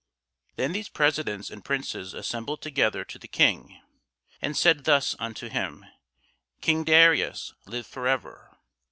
Then these presidents and princes assembled together to the King, and said thus unto him, King Darius, live for ever.